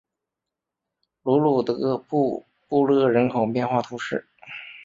卢鲁德布布勒人口变化图示